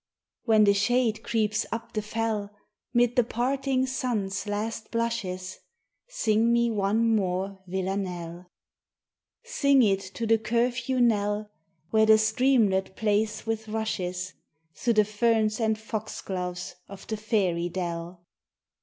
When the shade creeps up the fell Mid the parting sun's last blushes, Sing me one more villanelle. Sing it to the curfew knell, Where the streamlet plays with rushes Through the ferns and foxgloves of the fairy dell.